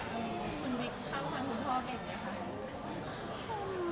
คุณวิทย์ข้าวความคุณพ่อเก่งไหมคะ